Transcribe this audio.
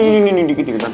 iya iya dikit dikit